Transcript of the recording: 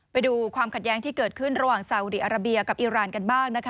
ไปดูความขัดแย้งที่เกิดขึ้นระหว่างสาวอุดีอาราเบียกับอิราณกันบ้างนะคะ